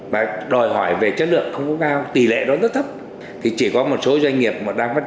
mà đòi hỏi về chất lượng không có cao tỷ lệ đó rất thấp thì chỉ có một số doanh nghiệp mà đang phát